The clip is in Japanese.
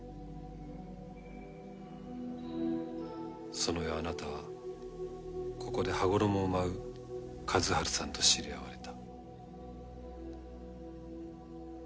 その夜あなたはここで『羽衣』を舞う和春さんと知り合われた。